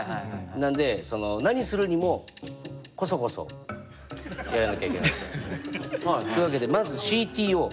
なんでその何するにもこそこそやらなきゃいけないと。というわけでまずＣＴＯ。